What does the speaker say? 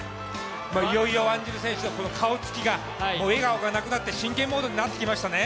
いよいよワンジル選手の顔が、笑顔がなくなって真剣モードになってきましたね。